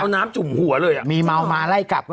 อ๋อนะครับ